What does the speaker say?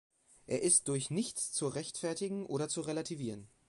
Er ist durch nichts zu rechtfertigen oder zu relativieren.